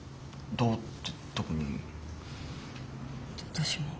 私も。